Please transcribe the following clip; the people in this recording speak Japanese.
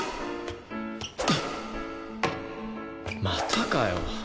またかよ。